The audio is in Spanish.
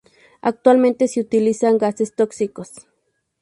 Actualmente, se utilizan gases tóxicos.